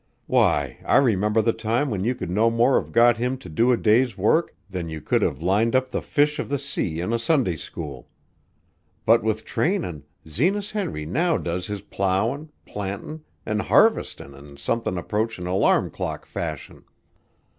Why, I remember the time when you could no more have got him to do a day's work than you could have lined up the fish of the sea in a Sunday school. But with trainin', Zenas Henry now does his plowin', plantin' an' harvestin' in somethin' approachin' alarm clock fashion.